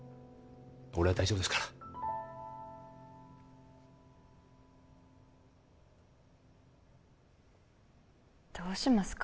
俺は大丈夫ですからどうしますか？